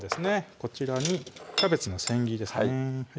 こちらにキャベツのせん切りですね